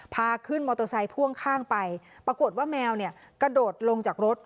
พาขึ้นมอเตอร์ไซค์พ่วงข้างไปปรากฏว่าแมวเนี่ยกระโดดลงจากรถ